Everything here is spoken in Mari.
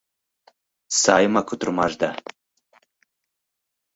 Сай ма кутырымашда.